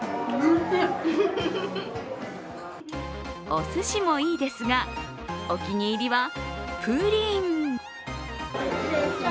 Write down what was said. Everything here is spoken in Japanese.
おすしもいいですがお気に入りはプリン。